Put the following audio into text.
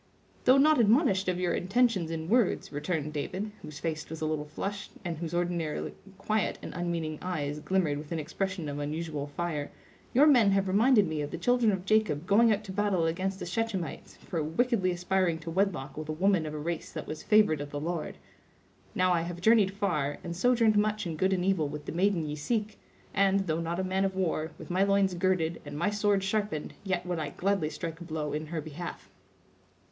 "Though not admonished of your intentions in words," returned David, whose face was a little flushed, and whose ordinarily quiet and unmeaning eyes glimmered with an expression of unusual fire, "your men have reminded me of the children of Jacob going out to battle against the Shechemites, for wickedly aspiring to wedlock with a woman of a race that was favored of the Lord. Now, I have journeyed far, and sojourned much in good and evil with the maiden ye seek; and, though not a man of war, with my loins girded and my sword sharpened, yet would I gladly strike a blow in her behalf."